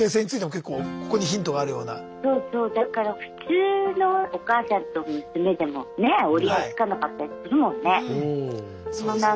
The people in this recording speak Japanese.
だから普通のお母さんと娘でもねえ折り合いつかなかったりするもんね。